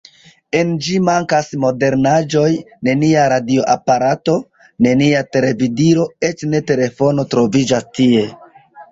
En ĝi mankas modernaĵoj: nenia radioaparato, nenia televidilo, eĉ ne telefono troviĝas tie.